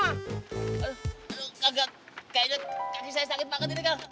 aduh kakak kayaknya kaki saya sakit banget ini kak